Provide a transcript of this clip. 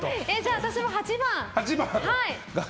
私も８番。